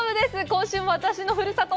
今週も私のふるさと